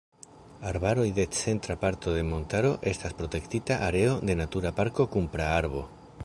Arbaroj de centra parto de montaro estas protektita areo de Natura parko kun praarbaro.